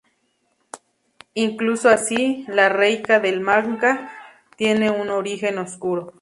Incluso así, la Reika del manga tiene un origen oscuro.